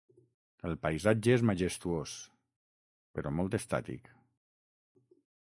El paisatge és majestuós, però molt estàtic.